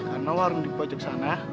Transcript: karena warna di pojok sana